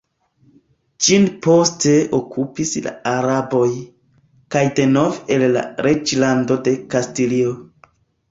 Ĝin poste okupis la araboj, kaj denove al la reĝlando de Kastilio.